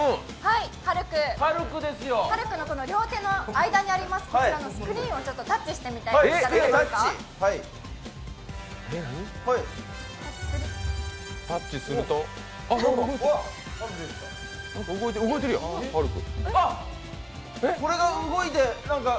ハルクの両手の間にありますスクリーンをちょっとタッチしてみていただけますか？